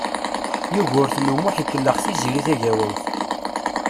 Yugurten U Muḥ ikellex Tiziri Tagawawt.